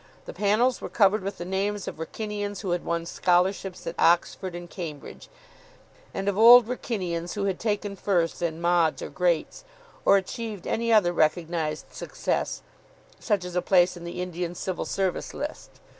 The panels were covered with the names of Wrykynians who had won scholarships at Oxford and Cambridge, and of Old Wrykynians who had taken first in Mods or Greats, or achieved any other recognised success, such as a place in the Indian Civil Service list.